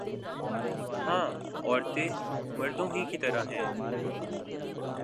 ہاں عورتیں مردوں ہی کی طرح ہیں